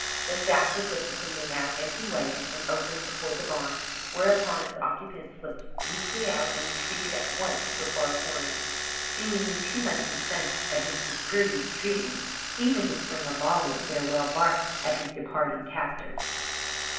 The sack was lifted from the now empty wagon and opened before the barn, whereupon its occupant slipped meekly out and retreated at once to a far corner, seemingly too much incensed at his discourteous treatment even to fling a volley of farewell barks at his departing captors.